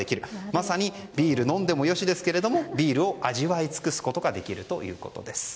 まさにビールは飲んでもよしですけどもビールを味わい尽くすことができるということです。